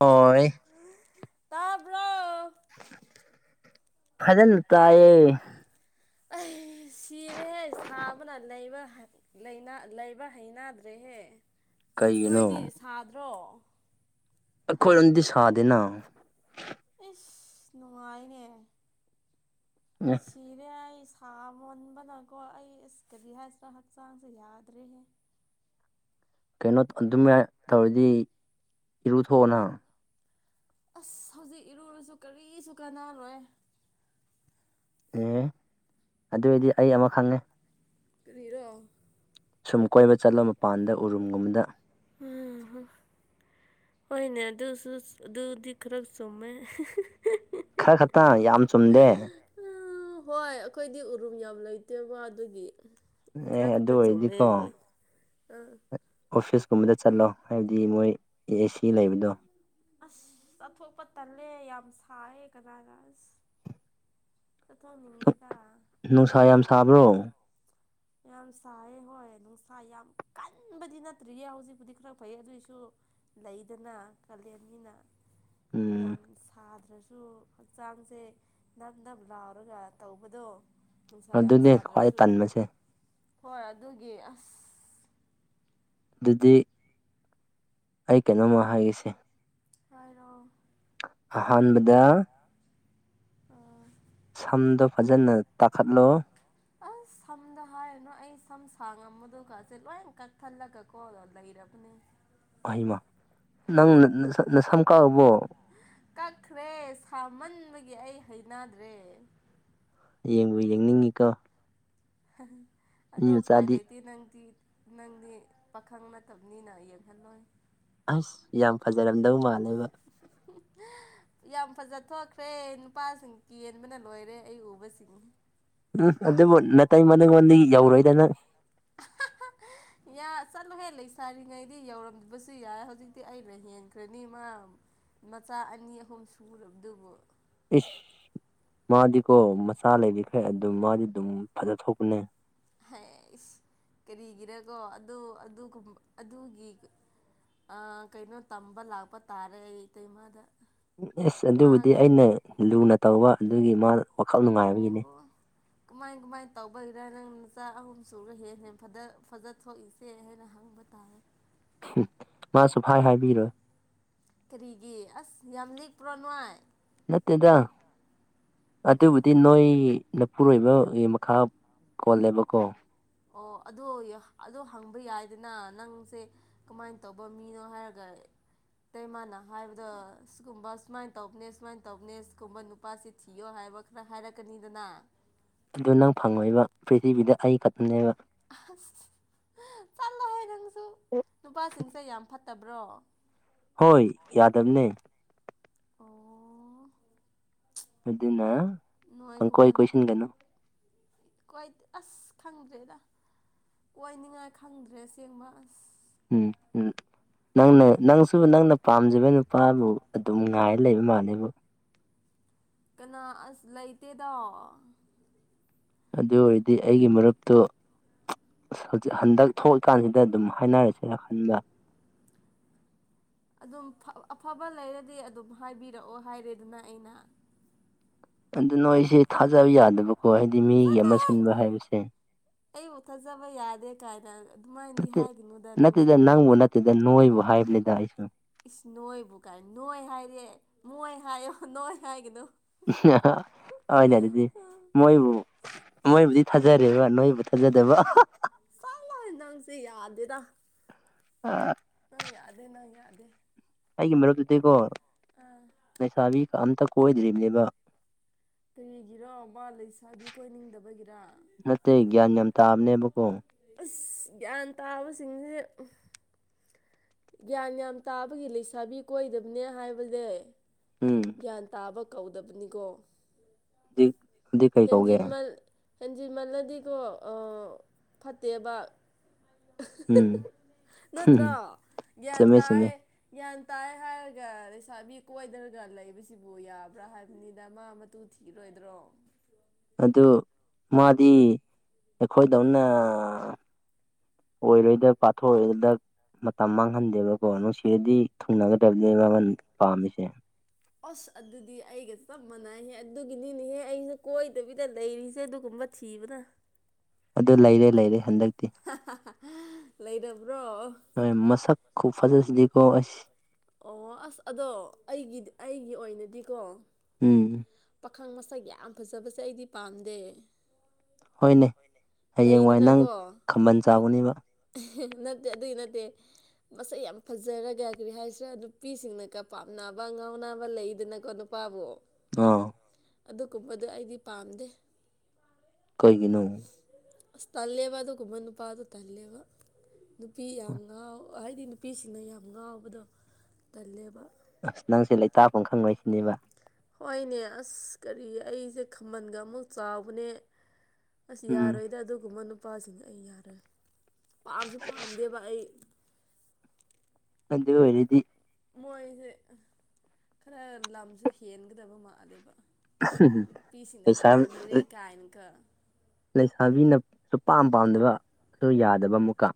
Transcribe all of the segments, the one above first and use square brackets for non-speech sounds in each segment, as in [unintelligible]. ꯍꯣꯏ ꯇꯥꯕ꯭ꯔꫭ ꯐꯖꯟ ꯇꯥꯏꯌꯦ ꯑꯩ ꯁꯤꯔꯦꯍꯦ ꯁꯥꯕꯅ ꯂꯩꯕ ꯂꯩꯕ ꯍꯩꯅꯗ꯭ꯔꯦꯍꯦ ꯀꯩꯒꯤꯅꯣ ꯅꯣꯏꯗꯤ ꯁꯥꯗ꯭ꯔꯣ ꯑꯩꯈꯣꯏꯔꯣꯝꯗꯤ ꯁꯥꯗꯦꯅ ꯏꯁꯁ ꯅꯨꯡꯉꯥꯏꯅꯦ ꯑꯦ ꯁꯤ [unintelligible] ꯁꯤꯔꯦ ꯑꯩ ꯁꯥ ꯃꯟꯕꯅꯀꯣ ꯑꯩ ꯑꯁ ꯀꯔꯤ ꯍꯥꯏꯁꯤꯔꯥ ꯍꯛꯆꯥꯡꯁꯦ ꯌꯥꯗ꯭ꯔꯦꯍꯦ ꯀꯩꯅꯣ ꯑꯗꯨꯃꯥꯏꯅ ꯇꯧꯔꯗꯤ ꯏꯔꯨꯊꯣꯛ ꯑ‌ꯣ‌ ꯅꯪ ꯑꯁ ꯍꯧꯖꯤꯛ ꯏꯔꯨꯔꯁꯨ ꯀꯔꯤꯁꯨ ꯀꯥꯟꯅꯥꯔꯣꯏ ꯑꯦ ꯑꯗꯨꯗꯤ ꯑꯩ ꯑꯃ ꯈꯪꯉꯦ ꯀꯔꯤꯔꯣ ꯁꯨꯝ ꯀꯣꯏꯕ ꯆꯠꯂꯣ ꯃꯄꯥꯟꯗ ꯎꯔꯨꯝꯒꯨꯝꯕꯗ ꯎꯝ [unintelligible] ꯍꯣꯏꯅꯦ ꯑꯗꯨꯁꯨ ꯑꯗꯨꯗꯤ ꯈꯔ ꯆꯨꯝꯃꯦ ꯈꯔ ꯈꯛꯇꯪ ꯌꯥꯝ ꯆꯨꯝꯗꯦ ꯎꯝ ꯍꯣꯏ ꯑꯩꯈꯣꯏꯗꯤ ꯎꯔꯨꯝ ꯌꯥꯝ ꯂꯩꯇꯦꯕ ꯑꯗꯨꯒꯤ ꯑꯦ ꯈꯔ ꯑꯗꯨ ꯈꯛꯇ ꯆꯨꯝꯃꯦ ꯑꯣꯏꯔꯗꯤꯀꯣ ꯑꯥ ꯑꯣꯐꯤꯁꯀꯨꯝꯕꯗ ꯆꯠꯂꯣ ꯍꯥꯏꯕꯗꯤ ꯃꯣꯏ ꯑꯦ ꯁꯤ ꯂꯩꯕꯗꯣ ꯑꯁ ꯆꯠꯊꯣꯛꯄ ꯇꯜꯂꯦ ꯌꯥꯝ ꯁꯥꯏ ꯀꯅꯥꯅ ꯑꯁ ꯆꯠꯊꯣꯛꯅꯤꯡꯗꯦꯗ ꯅꯨꯡꯁꯥ ꯌꯥꯝ ꯁꯥꯕ꯭ꯔꯣ ꯌꯥꯝ ꯁꯥꯏ ꯍꯣꯏ ꯅꯨꯡꯁꯥ ꯌꯥꯝ ꯀꯟꯕꯗꯤ ꯅꯠꯇ꯭ꯔꯤꯌꯦ ꯍꯧꯖꯤꯛꯄꯨꯗꯤ ꯈꯔ ꯐꯩꯌꯦ ꯑꯗꯨꯑꯣꯏꯁꯨ ꯂꯩꯗꯅ ꯀꯥꯂꯦꯟꯅꯤꯅ ꯎꯝ ꯌꯥꯝ ꯁꯥꯗ꯭ꯔꯁꯨ ꯍꯛꯆꯥꯡꯁꯦ ꯅꯞ ꯅꯞ ꯂꯥꯎꯔꯒ ꯇꯧꯕꯗꯣ ꯅꯨꯡꯁꯥ ꯌꯥꯝ ꯑꯗꯨꯅꯦ ꯈ꯭ꯋꯥꯏ ꯁꯥꯗ꯭ꯔꯁꯨ ꯇꯟꯕꯁꯦ ꯍꯣꯏ ꯑꯗꯨꯒꯤ ꯑꯁ ꯑꯗꯨꯗꯤ ꯑꯩ ꯀꯩꯅꯣꯝꯃ ꯍꯥꯏꯒꯦꯁꯦ ꯍꯥꯏꯔꯣ ꯑꯍꯥꯟꯕꯗ ꯑ [inaudible] ꯁꯝꯗꯣ ꯐꯖꯅ ꯇꯥꯈꯠꯂꯣ ꯍꯣ [unintelligible] ꯑꯁ ꯁꯝꯗ ꯍꯥꯏꯔꯨꯅꯨ ꯑꯩ ꯁꯝ ꯁꯥꯡꯉꯝꯕꯗꯨꯒꯁꯦ ꯂꯣꯏ ꯀꯛꯊꯠꯂꯒꯀꯣ ꯂꯩꯔꯕꯅꯦ ꯍꯩꯃꯥ ꯅꯪ ꯅꯁꯝ ꯀꯛꯑꯕꯣ ꯀꯛꯈ꯭ꯔꯦ ꯁꯥꯃꯟꯕꯒꯤ ꯑꯩ ꯍꯩꯅꯗ꯭ꯔꯦ ꯌꯦꯡꯕꯨ ꯌꯦꯡꯅꯤꯡꯉꯤꯀꯣ ꯑꯗꯣ ꯃꯤ ꯎꯄꯥꯏ ꯃꯆꯥꯗꯤ ꯂꯩꯇꯦ ꯅꯪꯗꯤ ꯅꯪꯗꯤ ꯄꯥꯈꯪ ꯅꯠꯇꯕꯅꯤꯅ ꯌꯦꯡꯍꯜꯂꯣꯏ ꯑꯁ ꯌꯥꯝ ꯐꯖꯔꯝꯗꯧ ꯃꯥꯜꯂꯦꯕ [unintelligible] ꯌꯥꯝ ꯐꯖ ꯊꯣꯛꯈ꯭ꯔꯦ ꯅꯨꯄꯥꯁꯤꯡ ꯀꯦꯟꯕꯅ ꯂꯣꯏꯔꯦ ꯑꯩ ꯎꯕꯁꯤꯡ ꯎꯝ ꯑꯗꯨꯕꯨ ꯅꯥꯇꯩꯃ ꯌꯧꯔꯣꯏꯗ ꯅꯪ [unintelligible] ꯌꯥ ꯆꯠꯂꯨꯍꯦ ꯂꯩꯁꯥꯔꯤꯉꯩꯗꯗꯤ ꯌꯧꯔꯝꯗꯕꯁꯨ ꯌꯥꯏ ꯍꯧꯖꯤꯛꯇꯤ ꯑꯩꯅ ꯍꯦꯟꯈ꯭ꯔꯅꯤ ꯃꯥ ꯃꯆꯥ ꯑꯅꯤ ꯑꯍꯨꯝ ꯁꯨꯔꯕꯗꯨꯕꯨ ꯏꯁ ꯃꯥꯗꯤꯀꯣ ꯃꯆꯥ ꯂꯩꯔꯤꯈꯩ ꯑꯗꯨꯝ ꯃꯥꯗꯤ ꯑꯗꯨꯝ ꯐꯖ ꯊꯣꯛꯄꯅꯦ ꯍꯥꯏꯁ ꯀꯔꯤꯒꯤꯔꯀꯣ ꯑꯗꯨ ꯑꯗꯨꯒꯤ ꯑ ꯀꯩꯅꯣ ꯇꯝꯕ ꯂꯥꯛꯄ ꯇꯥꯔꯦ ꯏꯇꯩꯃꯗ ꯑꯦꯁ ꯑꯗꯨꯕꯨꯗꯤ ꯑꯩꯅ ꯂꯨꯅ ꯇꯧꯕ ꯑꯗꯨꯒꯤ ꯃꯥ ꯋꯥꯈꯜ ꯅꯨꯡꯉꯥꯏꯕꯒꯤꯅꯦ ꯑꯣ ꯀꯃꯥꯏ ꯀꯃꯥꯏꯅ ꯇꯧꯕꯒꯤꯔ ꯅꯪ ꯅꯆꯥ ꯑꯍꯨꯝ ꯁꯨꯔ ꯍꯦꯟꯅ ꯍꯦ ꯐꯖ ꯊꯣꯛꯏꯁꯦ ꯁꯦ ꯍꯥꯏꯅ ꯍꯪꯕ ꯇꯥꯔꯦ [inaudible] ꯃꯥ ꯁꯨꯛꯍꯥꯏ ꯍꯥꯏꯕꯤꯔꯣꯏ ꯀꯔꯤꯒꯤ ꯑꯁ ꯌꯥꯝ ꯂꯤꯛꯄ꯭ꯔꯣ ꯅꯣꯏ ꯅꯠꯇꯦꯗ ꯑꯗꯨꯕꯨꯗꯤ ꯅꯣꯏ ꯅꯄꯨꯔꯔꯣꯏꯕꯒꯤ ꯃꯈꯥ ꯄꯣꯜꯂꯦꯕꯀꯣ ꯑꯣ ꯑꯗꯨ ꯑꯗꯨ ꯍꯪꯕ ꯌꯥꯏꯗꯅ ꯅꯪꯁꯦ ꯀꯃꯥꯏꯅ ꯇꯧꯕ ꯃꯤꯅꯣ ꯍꯥꯏꯔꯒ ꯑꯇꯩꯃꯥꯅ ꯍꯥꯏꯕꯗ ꯁꯤꯒꯨꯝꯕ ꯁꯨꯃꯥꯏꯅ ꯇꯧꯕꯅꯦ ꯁꯨꯃꯥꯏꯅ ꯇꯧꯕꯅꯦ ꯁꯤꯒꯨꯝꯕ ꯅꯨꯄꯥꯁꯤ ꯊꯤꯌꯣ ꯍꯥꯏꯕ ꯈꯔ ꯍꯥꯏꯔꯛꯀꯅꯤꯗꯅ ꯑꯗꯨ ꯅꯪ ꯐꯪꯉꯣꯏꯕ ꯄ꯭ꯔꯤꯊꯤꯕꯤꯗ ꯑꯩ ꯈꯛꯇꯅꯦꯕ ꯑꯁ ꯆꯠꯂꯣ ꯍꯥꯏ ꯅꯪꯁꯨ ꯅꯨꯄꯥꯁꯤꯡꯁꯦ ꯌꯥꯝ ꯐꯠꯇꯕ꯭ꯔꯣ ꯍꯣꯏ ꯌꯥꯗꯕꯅꯦ ꯑꯣ ꯑꯗꯨꯅ [inaudible] ꯄꯪꯀꯣꯏ ꯀꯣꯏꯁꯤꯟꯒꯅꯨ ꯀ‌ꯣꯏꯗ‌ꯦ ꯑꯁ ꯈꯪꯗ꯭ꯔꯦꯗ ꯀꯣꯏꯅꯤꯡꯉꯥꯏ ꯈꯪꯗ꯭ꯔꯦ ꯑꯁꯦꯡꯕ ꯑꯁ ꯎꯝ ꯎꯝ ꯅꯪꯅꯦ ꯅꯪꯁꯨ ꯅꯪꯅ ꯄꯥꯝꯖꯕ ꯅꯨꯄꯥꯕꯨ ꯑꯗꯨꯝ ꯉꯥꯏꯔ ꯂꯩꯕ ꯃꯥꯜꯂꯕꯨ ꯀꯅꯥ ꯑꯁ ꯂꯩꯇꯦꯗ ꯑꯗꯨ ꯑꯣꯏꯔꯗꯤ ꯑꯩꯒꯤ ꯃꯔꯨꯞꯇꯨ ꯍꯧꯖꯤꯛ ꯍꯟꯗꯛ ꯊꯣꯛꯀꯥꯟꯁꯤꯗ ꯑꯗꯨꯝ ꯍꯥꯏꯅꯔꯁꯤ ꯎ ꯈꯟꯗ ꯑꯗꯨꯝ ꯑꯐꯕ ꯂꯩꯔꯗꯤ ꯑꯗꯨꯝ ꯍꯥꯏꯕꯤꯔꯛꯑꯣ ꯍꯥꯏꯔꯦꯗꯅ ꯑꯩꯅ ꯑꯗꯨ ꯅꯣꯏꯁꯦ ꯊꯥꯖꯕ ꯌꯥꯗꯕꯀꯣ ꯍꯥꯏꯗꯤ ꯃꯤꯒꯤ ꯑꯃ ꯆꯠꯂꯣꯍꯦ ꯁꯤꯟꯕ ꯍꯥꯏꯕꯁꯦ ꯑꯩꯕꯨ ꯊꯥꯖꯕ ꯌꯥꯗꯦ ꯀꯥꯏꯅ ꯑꯗꯨꯃꯥꯏꯅꯗꯤ ꯅꯠꯇꯦ ꯍꯥꯏꯒꯅꯨꯗ ꯅꯪꯁꯨ ꯅꯠꯇꯦꯗ ꯅꯪꯕꯨ ꯅꯠꯇꯦꯗ ꯅꯣꯏꯕꯨ ꯍꯥꯏꯕꯅꯤꯗ ꯑꯩꯁꯨ ꯏꯁ ꯅꯣꯏꯕꯨ ꯀꯥꯏ ꯅꯣꯏ ꯍꯥꯏꯔꯦ ꯃꯣꯏ ꯍꯥꯏꯌꯣ ꯅꯣꯏ ꯍꯥꯏꯒꯅꯨ ꯅ ꯑꯗꯨꯗꯤ ꯃꯣꯏꯕꯨ ꯃꯣꯏꯕꯨꯗꯤ ꯊꯥꯖꯔꯦꯕ ꯅꯣꯏꯕꯨ ꯊꯥꯖꯗꯕ ꯆꯠꯂꯣꯍꯦ ꯅꯪꯁꯦ ꯌꯥꯗꯦꯗ ꯑ ꯅꯪ ꯌꯥꯗꯦ ꯅꯪ ꯌꯥꯗꯦ ꯑꯩꯒꯤ ꯃꯔꯨꯞꯇꯨꯗꯤꯀꯣ ꯑꯥ ꯂꯩꯁꯥꯕꯤ ꯑꯝꯇ ꯀꯣꯏꯗ꯭ꯔꯤꯕꯅꯦꯕ ꯀꯔꯤꯒꯤꯔꯣ ꯕꯥ ꯂꯩꯁꯥꯕꯤ ꯀꯣꯏꯅꯤꯡꯗꯕꯒꯤꯔ ꯅꯠꯇꯦ ꯒ꯭ꯌꯥꯟ ꯌꯥꯝ ꯇꯥꯕꯅꯦꯕꯀꯣ ꯑꯁ ꯒ꯭ꯌꯥꯟ ꯇꯥꯕꯁꯤꯡꯁꯦ ꯒ꯭ꯌꯥꯟ ꯌꯥꯝ ꯇꯥꯕꯒꯤ ꯂꯩꯁꯥꯕꯤ ꯀꯣꯏꯗꯕꯅꯦ ꯍꯥꯏꯕꯅꯦ ꯎꯝ ꯒ꯭ꯌꯥꯟ ꯇꯥꯕ ꯀꯧꯗꯕꯅꯤꯀꯣ ꯍꯧꯖꯤꯛ ꯍꯧꯖꯤꯛ ꯀꯩ ꯀꯧꯒꯦ ꯍꯦꯟꯖꯤꯟꯃꯜ ꯍꯦꯟꯖꯤꯟꯃꯜꯂꯗꯤꯀꯣ ꯐꯠꯇꯦꯕ ꯎꯝ ꯅꯠꯇ꯭ꯔ ꯍꯨꯝ ꯒ꯭ꯌꯥꯟ ꯆꯨꯝꯃꯦ ꯇꯥꯏ ꯆꯨꯝꯃꯦ ꯒ꯭ꯌꯥꯟ ꯇꯥꯏ ꯍꯥꯏꯔꯒ ꯂꯩꯁꯥꯕꯤ ꯀꯣꯏꯗꯅ ꯗꯅ ꯂꯩꯕꯁꯤꯕꯨ ꯌꯥꯕ꯭ꯔꯥ ꯍꯥꯏꯕꯅꯤꯗ ꯃꯥ ꯃꯇꯨ ꯊꯤꯔꯣꯏꯗ꯭ꯔꯣ ꯑꯗꯨ ꯃꯥꯗꯤ ꯑꯩꯈꯣꯏꯗꯧꯅ ꯑꯣꯏꯔꯣꯏꯗ ꯄꯥꯊꯣꯛꯑꯏꯗ ꯃꯇꯝ ꯃꯥꯡꯍꯟꯗꯦꯕꯀꯣ ꯅꯨꯡꯁꯤꯔꯗꯤ ꯊꯨꯡꯅꯒꯗꯕꯅꯦ ꯃꯥꯅ ꯄꯥꯝꯃꯤꯁꯦ ꯑꯁ ꯑꯗꯨꯗꯤ ꯑꯩꯒ ꯆꯞ ꯃꯥꯟꯅꯩꯍꯦ ꯑꯗꯨꯒꯤꯅꯤꯅꯦꯍꯦ ꯑꯩꯁꯦ ꯀꯣꯏꯗꯕꯤꯗ ꯂꯩꯔꯤꯁꯦ ꯑꯗꯨꯒꯨꯝꯕ ꯊꯤꯕꯗ ꯑꯗꯨ ꯂꯩꯔꯦ ꯂꯩꯔꯦ ꯍꯟꯗꯛꯇꯤ ꯂꯩꯔꯕ꯭ꯔꯣ ꯍꯣꯏ ꯃꯁꯛ ꯈꯨꯐꯖꯁꯤꯗꯤꯀꯣ ꯑꯁ ꯑꯣ ꯑꯁ ꯑꯗꯣ ꯑꯩꯒꯤꯗꯤ ꯑꯩꯒꯤ ꯑꯣꯏꯅꯗꯤꯀꯣ ꯎꯝ ꯄꯥꯈꯪ ꯃꯁꯛ ꯌꯥꯝ ꯐꯖꯕꯁꯦ ꯑꯩꯗꯤ ꯄꯥꯝꯗꯦ ꯍꯣꯏꯅꯦ ꯍꯌꯦꯡꯋꯥꯏ ꯅꯪ ꯂꯩꯗꯅꯀꯣ ꯈꯝꯕꯜ ꯆꯥꯎꯒꯅꯦꯕ ꯅꯠꯇꯦ ꯑꯗꯨꯏ ꯅꯠꯇꯦ ꯃꯁꯛ ꯌꯥꯝ ꯐꯖꯔꯒ ꯀꯔꯤ ꯍꯥꯏꯁꯤꯔꯦ ꯅꯨꯄꯤꯁꯤꯡꯅꯒ ꯄꯥꯝꯅꯕ ꯉꯥꯎꯅꯕ ꯂꯩꯗꯅꯀꯣ ꯅꯨꯞ ꯄꯥꯕꯣ ꯑꯣ ꯑꯗꯨꯒꯨꯝꯕꯗꯣ ꯑꯩꯗꯤ ꯄꯥꯝꯗꯦ ꯀꯩꯒꯤꯅꯣ ꯇꯜꯂꯦꯕ ꯑꯗꯨꯒꯨꯝꯕ ꯅꯨꯄꯥ ꯑꯗꯨ ꯇꯜꯂꯦꯕ ꯅꯨꯄꯤ ꯌꯥꯝ ꯉꯥꯎ ꯍꯥꯏꯗꯤ ꯅꯨꯄꯤꯁꯤꯡꯅ ꯌꯥꯝ ꯉꯥꯎꯕꯗꯣ ꯇꯜꯂꯦꯕ ꯑꯁ ꯅꯪꯁꯦ ꯂꯩꯇꯥꯥꯐꯝ ꯈꯪꯉꯣꯏ ꯁꯤꯅꯦꯕ ꯍꯣꯏꯅꯦ ꯑꯁ ꯀꯔꯤ ꯑꯩꯁꯦ ꯈꯃꯟꯒ ꯑꯃꯨꯛ ꯆꯥꯎꯕꯅꯦ ꯑꯁ ꯎꯝ ꯌꯥꯔꯣꯏꯗ ꯑꯗꯨꯒꯨꯝꯕ ꯅꯨꯄꯥꯁꯤꯡ ꯑꯩ ꯌꯥꯔꯣꯏ ꯄꯥꯝꯁꯨ ꯄꯥꯝꯗꯦꯕ ꯑꯩ ꯑꯗꯨ ꯑꯣꯏꯔꯗꯤ ꯃꯣꯏꯁꯦ ꯈꯔ ꯂꯝꯁꯨ ꯍꯦꯟꯒꯗꯕ ꯃꯥꯂꯦꯕ ꯅꯨꯄꯤꯁꯤꯡꯅ ꯂꯩꯁꯥ ꯄꯥꯃꯤꯔꯦ ꯀꯥꯏꯅꯀ ꯂꯩꯁꯥꯕꯤꯅ ꯁꯨꯛ ꯄꯥꯝ ꯄꯥꯝꯗꯕ ꯌꯥꯗꯕ ꯑꯃꯨꯛꯀ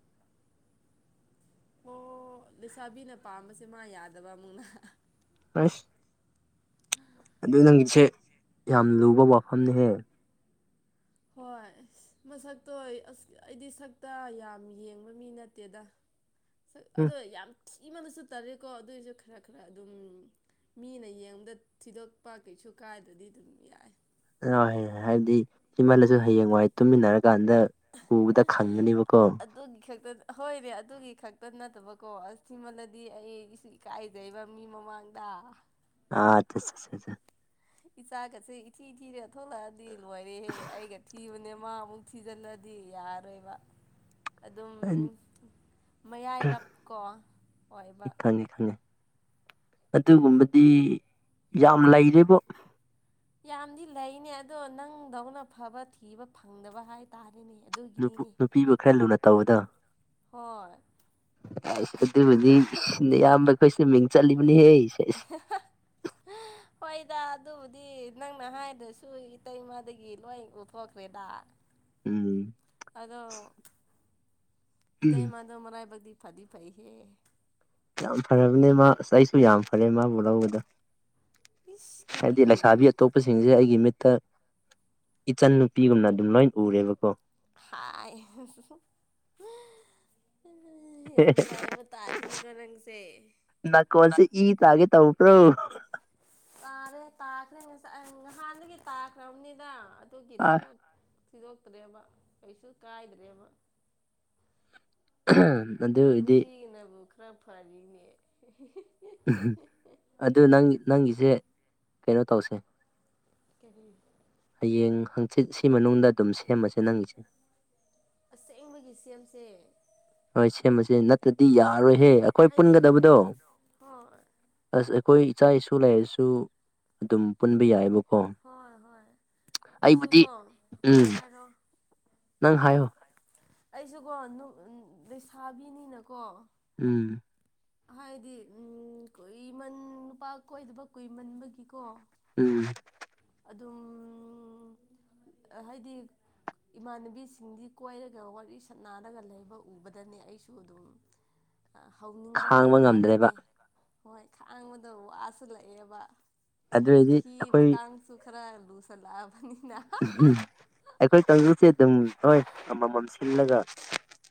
ꯑꯣ ꯂꯩꯁꯥꯕꯤꯅ ꯄꯥꯝꯕꯁꯦ ꯃꯥ ꯌꯥꯗꯕ ꯑꯃꯨꯛꯅ ꯑꯁ ꯑꯗꯨ ꯅꯪꯒꯤꯁꯦ ꯌꯥꯝ ꯂꯨꯕ ꯋꯥꯐꯝꯅꯦꯍꯦ ꯍꯣꯏ ꯃꯁꯛꯇꯣ ꯑꯁ ꯑꯩꯗꯤ ꯁꯛꯇ ꯌꯥꯝ ꯌꯦꯡꯕ ꯃꯤ ꯅꯠꯇꯦꯗ ꯎꯝ ꯑꯗꯣ ꯌꯥꯝ ꯊꯤꯕꯅꯁꯨ ꯇꯔꯦꯀꯣ ꯑꯗꯨꯏꯁꯨ ꯈꯔ ꯈꯔ ꯑꯗꯨꯝ ꯃꯤꯅ ꯌꯦꯡꯕꯗ ꯊꯤꯗꯣꯛꯄ ꯀꯩꯁꯨ ꯀꯥꯏꯗꯗꯤ ꯑꯗꯨꯝ ꯌꯥꯏ ꯑ ꯍꯥꯏꯕꯗꯤ ꯊꯤꯃꯜꯂꯁꯨ ꯍꯌꯦꯡꯉꯨ ꯍꯥꯏ ꯇꯨꯝꯃꯤꯟꯅꯔꯀꯥꯟꯗ ꯎꯕꯗ ꯈꯪꯒꯅꯤꯕꯀꯣ ꯑꯗꯨꯒꯤ ꯈꯛꯇ ꯍꯣꯏꯅꯦ ꯑꯗꯨꯒꯤ ꯈꯛꯇ ꯅꯠꯇꯕꯀꯣ ꯊꯤꯃꯜꯂꯗꯤ ꯑꯩ ꯢꯀꯥꯏꯗꯩꯕ ꯃꯤ ꯃꯃꯥꯡꯗ ꯑ [unintelligible] ꯏꯆꯥꯒꯁꯦ ꯏꯊꯤ ꯊꯤꯔ ꯊꯣꯛꯂꯛꯑꯗꯤ ꯂꯣꯏꯔꯦꯍꯦ ꯑꯩꯒ ꯊꯤꯕꯅꯦ ꯃꯥ ꯑꯃꯨꯛ ꯊꯤꯖꯤꯜꯂꯗꯤ ꯌꯥꯔꯣꯏꯕ ꯑꯗꯨꯝ ꯃꯌꯥꯏꯔꯞ ꯀꯣ ꯑꯣꯏꯕ ꯈꯪꯉꯤ ꯈꯪꯉꯦ ꯑꯗꯨꯒꯨꯝꯕꯗꯤ ꯌꯥꯝ ꯂꯩꯔꯦꯕꯣ ꯌꯥꯝꯗꯤ ꯂꯩꯅꯦ ꯑꯗꯣ ꯅꯪꯗꯧꯅ ꯐꯕ ꯊꯤꯕ ꯐꯪꯗꯕ ꯍꯥꯏ ꯇꯥꯔꯅꯦ ꯑꯗꯨꯒꯤ ꯅꯨꯄꯤꯕꯨ ꯈꯔ ꯂꯨꯅ ꯇꯧꯕꯗ ꯍꯣꯏ ꯑꯁ ꯑꯗꯨꯕꯨꯗꯤ ꯏꯌꯥꯝꯕ ꯑꯩꯈꯣꯏ ꯁꯤꯅ ꯃꯤꯡ ꯆꯠꯂꯤꯕꯅꯤꯍꯦꯁꯦꯁ [inaudible] ꯍꯣꯏꯗ ꯑꯗꯨꯕꯨꯗꯤ ꯅꯪꯅ ꯍꯥꯏꯗ꯭ꯔꯁꯨ ꯏꯇꯩꯃꯗꯒꯤ ꯂꯣꯏ ꯎꯊꯣꯛꯈ꯭ꯔꯦꯗ ꯎꯝ ꯑꯗꯣ ꯏꯇꯩꯃꯥ ꯑꯗꯣ ꯃꯔꯥꯏꯕꯛꯗꯤ ꯐꯥꯗꯤ ꯐꯩꯍꯦ ꯌꯥꯝ ꯐꯔꯕꯅꯦ ꯃꯥ ꯑꯁ ꯑꯩꯁꯨ ꯌꯥꯝ ꯐꯔꯦ ꯃꯥꯕꯨ ꯂꯧꯕꯗ ꯏꯁ ꯍꯥꯏꯗꯤ ꯀꯔꯤꯒꯤ ꯂꯩꯁꯥꯕꯤ ꯑꯇꯣꯞꯄꯁꯤꯡꯁꯦ ꯑꯩꯒꯤ ꯃꯤꯠꯇ ꯏꯆꯟ ꯅꯨꯄꯤꯒꯨꯝꯅ ꯑꯗꯨꯝ ꯂꯣꯏ ꯎꯔꯦꯕꯀꯣ ꯍꯥꯏ ꯌꯥꯝ ꯐꯔꯦꯕ ꯇꯥꯥꯏꯅꯤꯀꯣ ꯅꯪꯁꯦ ꯅꯥꯀꯣꯟꯁꯦ ꯏ ꯇꯒꯦ ꯇꯥꯎ [inaudible] ꯇꯥꯔꯦ ꯇꯥꯈ꯭ꯔꯦ ꯉꯁꯥꯏ ꯅꯍꯥꯟꯗꯒꯤ ꯇꯥꯈ꯭ꯔꯕꯅꯤꯗ ꯑꯗꯨꯒꯤ ꯊꯤꯗꯣꯛꯇ꯭ꯔꯦꯕ ꯀꯩꯁꯨ ꯀꯥꯏꯗ꯭ꯔꯦꯕ ꯑꯗꯨꯒꯤꯗꯤ ꯉꯁꯤꯒꯤꯅꯕꯨ ꯈꯔ ꯐꯔꯤꯅꯦ ꯑꯗꯨ ꯅꯪ ꯅꯪꯒꯤꯁꯦ ꯀꯩꯅꯣ ꯇꯧꯁꯦ ꯀꯔꯤ ꯍꯌꯦꯡ ꯍꯪꯆꯤꯠ ꯁꯤ ꯃꯅꯨꯡꯗ ꯑꯗꯨꯝ ꯁꯦꯝꯃꯁꯦ ꯅꯪꯒꯤꯁꯦ ꯑꯁꯦꯡꯕꯒꯤ ꯁꯦꯝꯁꯦ ꯍꯣꯏ ꯁꯦꯝꯃꯁꯦ ꯅꯠꯇ꯭ꯔꯗꯤ ꯌꯥꯔꯣꯏꯍꯦ ꯑꯩꯈꯣꯏ ꯍꯥꯏꯗꯤ ꯄꯨꯟꯒꯗꯕꯗꯣ ꯍꯣꯏ ꯑꯁ ꯑꯩꯈꯣꯏ ꯏꯆꯥ ꯏꯁꯨ ꯂꯩꯥꯏꯔꯤꯁꯨ ꯑꯗꯨꯝ ꯄꯨꯟꯕ ꯌꯥꯏꯑꯕꯣ ꯍꯣꯏ ꯍꯣꯏ ꯑꯩꯁꯨ ꯀꯣ ꯎꯝ ꯍꯥꯏꯔꯛꯑꯣ ꯅꯪ ꯍꯥꯏꯌꯣ ꯑꯩꯁꯨꯀꯣ ꯂꯩꯁꯥꯕꯤꯅꯤꯅꯀꯣ ꯎꯝ ꯍꯥꯏꯗꯤ ꯎꯝ ꯀꯨꯏꯃꯟ ꯅꯨꯄꯥ ꯀꯣꯏꯗꯕ ꯀꯨꯏꯃꯟꯕꯒꯤꯀꯣ ꯎꯝ ꯑꯗꯨꯝ ꯍꯥꯏꯗꯤ ꯏꯃꯥꯟꯅꯕꯤꯁꯤꯡꯗꯤ ꯀꯣꯏꯔꯒ ꯋꯥꯔꯤ ꯁꯅꯔꯒ ꯂꯩꯕ ꯎꯕꯗꯅꯦ ꯑꯩꯁꯨ ꯑꯗꯨꯝ [unintelligible] ꯍꯧꯅꯤꯡꯕ ꯈꯥꯡꯕ ꯉꯝꯗ꯭ꯔꯦꯕ ꯍꯥꯏꯇꯥꯔꯦꯅꯦ ꯍꯣꯏ ꯈꯥꯡꯕꯗ ꯋꯥꯁꯨꯜꯂꯛꯑꯦꯕ ꯑꯗꯨꯑꯣꯏꯗꯤ ꯆꯍꯤ ꯑꯩꯈꯣꯏ ꯃꯇꯥꯡꯁꯨ ꯈꯔ ꯂꯨꯁꯜꯂꯛꯑꯕꯅꯤꯅ ꯎꯝ ꯑꯩꯈꯣꯏ ꯀꯥꯡꯖꯨꯁꯦ ꯑꯗꯨꯝ ꯍꯣꯏ ꯑꯃꯃꯝ ꯁꯤꯜꯂꯒ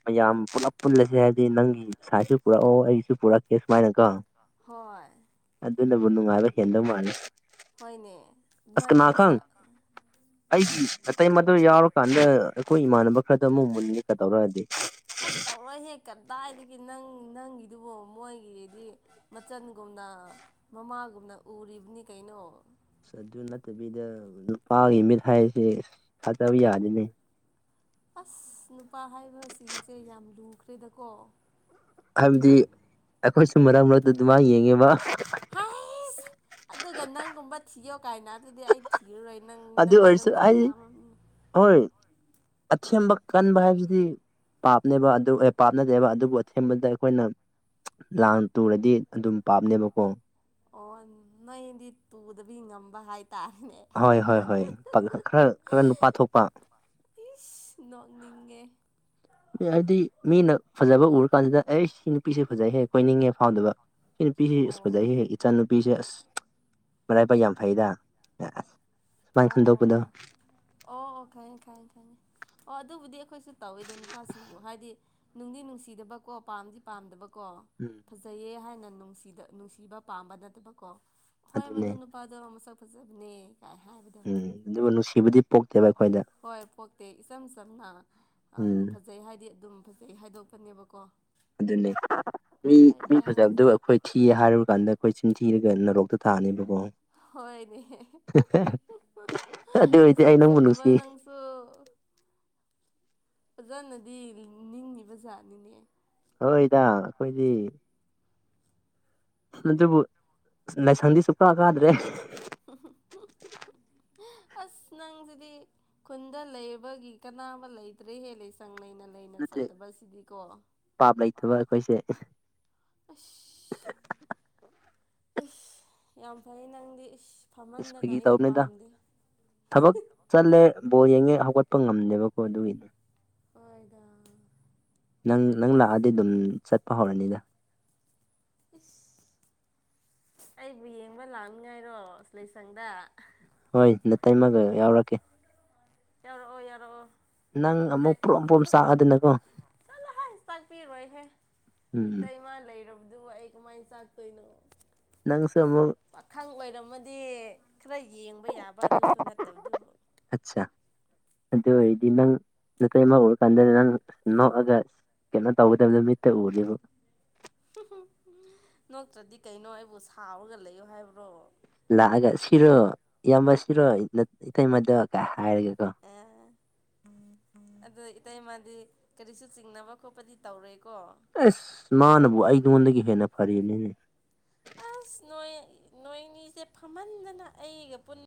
ꯃꯌꯥꯝ ꯄꯨꯂꯞ ꯄꯨꯜꯂꯁꯦ ꯍꯥꯏꯕꯗꯤ ꯅꯪꯒꯤ ꯁꯥꯏꯁꯨ ꯄꯨꯔꯛꯑꯣ ꯑꯩꯁꯨ ꯄꯨꯔꯛꯀꯦ ꯁꯨꯃꯥꯏꯅꯀꯣ ꯍꯣꯏ ꯑꯗꯨꯅꯕꯨ ꯅꯨꯡꯉꯥꯏꯕ ꯍꯦꯟꯗꯧ ꯃꯥꯜꯂꯤ ꯍꯣꯏꯅꯦ ꯑꯗꯨꯃꯥꯏꯅ ꯇꯧꯁꯦ ꯑꯩꯗꯤ ꯑꯇꯩ ꯃꯗꯨ ꯌꯥꯎꯔꯀꯥꯟꯗ ꯑꯩꯈꯣꯏ ꯏꯃꯥꯟꯅꯕ ꯈꯔꯗ ꯑꯃꯨꯛ ꯃꯨꯟꯒꯦꯀ ꯇꯧꯔꯛꯑꯗꯤ ꯑꯁ ꯇꯧꯔꯣꯏ ꯍꯦꯛ ꯀꯗꯥꯏꯗꯒꯤ ꯅꯪ ꯅꯪꯒꯤꯗꯨꯕꯨꯣ ꯃꯣꯏꯒꯤꯗꯤ ꯃꯆꯟꯒꯨꯝꯅ ꯃꯃꯥꯒꯨꯝꯅ ꯎꯔꯤꯕꯅꯤ ꯀꯩꯅꯣ ꯑ ꯑꯗꯨ ꯅꯠꯇꯕꯤꯗ ꯅꯨꯄꯥꯒꯤ ꯃꯤꯠ ꯍꯥꯏꯁꯦ ꯊꯥꯖꯕ ꯌꯥꯗꯅꯦ ꯑꯁ ꯅꯨꯄꯥ ꯍꯥꯏꯕꯁꯤꯡꯁꯦ ꯌꯥꯝ ꯂꯨꯈ꯭ꯔꯦꯗꯀꯣ ꯍꯥꯏꯕꯗꯤ ꯑꯩꯈꯣꯏꯁꯨ ꯃꯔꯛ ꯃꯔꯛꯇ ꯑꯗꯨ ꯃꯥꯏ ꯌꯦꯡꯉꯦꯕ ꯍꯁ ꯑꯗꯨꯒ ꯅꯪꯒꯨꯝꯕ ꯊꯤꯌꯣ ꯀꯥꯏꯅ ꯑꯗꯨꯗꯤ ꯑꯩ ꯊꯤꯔꯔꯣꯏ ꯅꯪ ꯑꯗꯨ ꯅꯪ ꯑꯣꯏꯔꯁꯨ ꯅꯨꯃꯤꯠ ꯍꯥꯏꯗꯤ ꯌꯥꯝꯃ ꯍꯣꯏ ꯑꯊꯦꯝꯕ ꯀꯟꯕ ꯍꯥꯏꯕꯁꯤꯗꯤ ꯄꯥꯞꯅꯦꯕ ꯑꯗꯨ ꯄꯥꯞꯅꯗꯦꯕ ꯑꯗꯨꯕꯨ ꯑꯊꯦꯝꯕꯗ ꯑꯩꯈꯣꯏꯅ ꯂꯥꯡ ꯇꯨꯔꯗꯤ ꯑꯗꯨꯝ ꯄꯥꯞꯅꯦꯕꯀꯣ ꯑꯣ ꯅꯣꯏꯗꯤ ꯇꯨꯗꯕꯤ ꯉꯝꯕ ꯍꯥꯏꯇꯥꯔꯦꯅꯦ ꯍꯣꯏ ꯍꯣꯏ ꯍꯣꯏ ꯈꯔ ꯈꯔ ꯅꯨꯄꯥ ꯊꯣꯛꯄ ꯏꯁ ꯅꯣꯛꯅꯤꯡꯉꯦ ꯍꯥꯏꯗꯤ ꯃꯤꯅ ꯐꯖꯕ ꯎꯔ ꯀꯥꯟꯁꯤꯗ ꯑꯩ ꯁꯤ ꯅꯨꯄꯤꯁꯦ ꯐꯖꯩꯍꯦ ꯀꯣꯏꯅꯤꯡꯉꯦꯕ ꯐꯥꯎꯗꯕ ꯁꯤ ꯅꯨꯄꯤꯁꯤ ꯑ ꯑꯣ ꯐꯖꯩ ꯍꯦ ꯏꯆꯥ ꯅꯨꯨꯄꯤꯁꯦ ꯑꯁ ꯃꯔꯥꯏꯕꯥꯏ ꯌꯥꯝ ꯐꯩꯗ ꯑ ꯑꯣ ꯑꯣ ꯑꯣ ꯑꯣ ꯑꯣ ꯈꯪꯉ‌ꯦ ꯈꯪꯉ‌ꯦ ꯈꯉꯦ ꯑꯣ ꯑꯗꯨꯕꯨꯗꯤ ꯑꯩꯈꯣꯏꯁꯨ ꯇꯧꯋꯤꯗꯣ ꯅꯨꯄꯥꯁꯤꯡꯕꯨ ꯍꯥꯏꯗꯤ ꯅꯨꯡꯗꯤ ꯅꯨꯡꯁꯤꯗꯕꯀꯣ ꯄꯥꯝꯗꯤ ꯄꯥꯝꯗꯕꯀꯣ ꯎꯝ ꯐꯖꯩꯌꯦ ꯍꯥꯏꯅ ꯅꯨꯡꯗ ꯅꯨꯡꯁꯤꯕ ꯄꯥꯝꯕ ꯅꯠꯇꯕꯀꯣ ꯍꯣꯏ ꯃꯗꯨ ꯑꯗꯨꯅꯦ ꯅꯨꯄꯤ ꯄꯗꯣ ꯃꯁ ꯐꯖꯕꯅꯦ ꯀꯥꯏ ꯍꯥꯏꯕ ꯎꯝ ꯑꯗꯨꯕꯨ ꯅꯨꯡꯁꯤꯕꯗꯤ ꯄꯣꯛꯇꯦꯕ ꯑꯩꯈꯣꯏꯗ ꯍꯣꯏ ꯄꯣꯛꯇꯦ ꯏꯆꯝ ꯆꯝꯅ ꯐꯖ ꯎꯝ ꯐꯖꯩ ꯍꯥꯏꯗꯤ ꯑꯗꯨꯝ ꯐꯖꯩ ꯍꯥꯏꯗꯣꯛꯄꯅꯦꯕꯀꯣ ꯑꯗꯨꯅꯤ ꯃꯤ ꯍꯣꯏ ꯃꯤ ꯌꯥꯏ ꯐꯖꯕꯗꯨ ꯑꯩꯈꯣꯏ ꯊꯤ ꯍꯥꯏꯔꯨꯀꯥꯟꯗ ꯑꯩꯈꯣꯏ ꯆꯤꯟ ꯊꯤꯔꯒ ꯅꯔꯣꯛꯇ ꯇꯥꯅꯤꯕꯀꯣ ꯍꯣꯏꯅꯦ ꯑꯗꯨ ꯑꯣꯏꯔꯗꯤ ꯂꯥꯏꯁꯪ ꯑꯩ ꯅꯪꯕꯨ ꯆꯠꯇꯕ ꯅꯨꯡꯁꯤ ꯅꯪꯁꯨ ꯐꯖꯅꯗꯤ ꯅꯤꯡꯉꯤꯕ ꯖꯥꯠꯅꯤꯅꯦ ꯍꯣꯏꯗ ꯑꯩꯈꯣꯏꯗꯤ ꯑꯗꯨꯕꯨ ꯂꯥꯏꯁꯪꯗꯤ ꯁꯨꯛꯀꯥ ꯀꯥꯗ꯭ꯔꯦ [unintelligible] ꯑꯁ ꯅꯪꯁꯤꯗꯤ ꯈꯨꯟꯗ ꯂꯩꯕꯒꯤ ꯀꯅꯥꯕ ꯂꯩꯇ꯭ꯔꯦꯍꯦ ꯂꯦꯁꯪ ꯂꯩꯅ ꯂꯩꯅ ꯅꯠꯇꯦ ꯆꯠꯇꯕꯁꯤꯗꯤꯀꯣ ꯄꯥꯞ ꯂꯩꯇꯕ ꯑꯩꯈꯣꯏꯁꯦ ꯑꯁ ꯏꯁ ꯌꯥꯝ ꯐꯩ ꯅꯪꯗꯤ ꯏꯁ ꯏꯁ ꯐꯝꯍꯟꯗꯅ ꯐꯥꯒꯤ ꯑꯩꯗꯤ ꯇꯧꯕꯅꯤꯗ ꯄꯥꯝꯗꯦ ꯊꯕꯛ ꯆꯠꯂꯦ ꯕꯣꯜ ꯌꯦꯡꯉꯦ ꯍꯧꯒꯠꯄ ꯉꯝꯗꯦꯕꯀꯣ ꯑꯗꯨꯒꯤ ꯍꫭꯏꯗ ꯅꯪ ꯅꯪ ꯂꯥꯛꯑꯗꯤ ꯑꯗꯨꯝ ꯆꯠꯄ ꯍꯧꯔꯅꯤꯗ ꯏꯁ ꯑꯩꯕꯨ ꯌꯦꯡꯕ ꯂꯥꯛꯅꯤꯉꯥꯏꯔꯣ ꯂꯩꯏꯁꯪꯗ ꯍꯣꯏ ꯅꯇꯩꯃꯥꯒ ꯌꯥꯎꯔꯛꯀꯦ ꯌꯥꯎꯔꯛꯑꫭ ꯌꯥꯎꯔꯛꯑꯣ ꯅꯪ ꯑꯃꯨꯛ ꯄꯔꯣꯝ ꯄꯔꯣꯝ ꯆꯠꯂꫭꯍ‌ꯦ ꯆꯥꯛꯄꯤꯔꯣꯏꯍꯦ ꯎꯝ ꯏꯇꯩꯃꯥ ꯂꯩꯔꯕ ꯑꯗꯨ ꯑꯩ ꯀꯃꯥꯏ ꯆꯥꯛꯇꯣꯏꯅꫭ ꯅꯪꯁꯨ ꯑꯃꯨꯛ ꯄꯥꯈꯪ ꯑꯣꯏꯔꯝꯃꯗꯤ ꯈꯔ ꯌꯦꯡꯕ ꯌꯥꯕ ꯑꯗꯨꯁꯨ ꯅꯠꯇꯕꯗꯨꯕꯨ ꯑꯠꯆꯥ ꯑꯗꯨ ꯑꯣꯏꯔꯗꯤ ꯅꯪ ꯅꯇꯩꯃꯥ ꯎꯔꯀꯥꯟꯗ ꯅꯪ ꯅꫭꯛꯑꯒ ꯀꯩꯅꯣ ꯇꯧꯒꯗꯕꯗꯣ ꯃꯤꯠꯇ ꯎꯔꯤꯕ [unintelligible] ꯅꯣꯛꯇ꯭ꯔꯗꯤ ꯀꯩꯅꯣ ꯑꯩꯕꯨ ꯁꯥꯎꯔꯒ ꯂꯩꯌꯣ ꯍꯥꯏꯕ꯭ꯔꯣ ꯂꯥꯛꯑꯒ ꯁꯤꯔꯣ ꯏꯌꯥꯝꯕ ꯁꯤꯔꯣ ꯏꯊꯩꯃꯗ ꯍꯥꯏꯔꯒꯦꯀꯣ [unintelligible] ꯑꯗꯣ ꯏꯇꯩꯃꯗꯤ ꯀꯔꯤꯁꯨ ꯆꯤꯡꯅꯕ ꯈꯣꯠꯄꯗꯤ ꯇꯧꯔꫭꯏꯀꯣ ꯑꯁ ꯃꯥꯅꯕꯨ ꯑꯩꯉꯣꯟꯗꯒꯤ ꯍꯦꯟꯅ ꯐꯔꯦꯅꯦ ꯑꯁ ꯅꯣꯏ ꯅꯣꯏꯅꯤꯁꯦ ꯐꯃꯟꯗꯅ ꯑꯩꯒ ꯄꯨꯟ